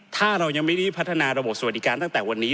ถ้าเรายังไม่ได้พัฒนาระบบสวัสดิการตั้งแต่วันนี้